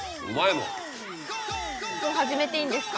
もう始めていいんですか？